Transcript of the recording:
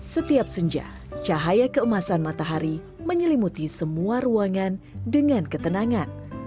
setiap senja cahaya keemasan matahari menyelimuti semua ruangan dengan ketenangan